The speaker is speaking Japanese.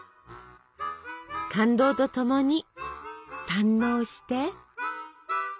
感動とともに堪能して！